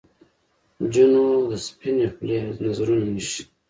نجونو د سپنې خولې نذرونه ایښي